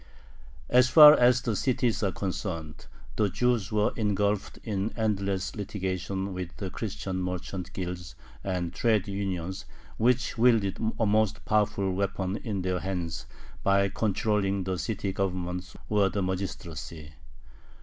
As far as the cities are concerned, the Jews were engulfed in endless litigation with the Christian merchant guilds and trade unions, which wielded a most powerful weapon in their hands by controlling the city government or the magistracy.